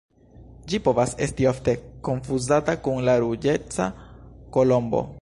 Ĝi povas esti ofte konfuzata kun la Ruĝeca kolombo.